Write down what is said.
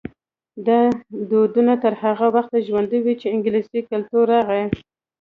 دا دودونه تر هغه وخته ژوندي وو چې انګلیسي کلتور راغی.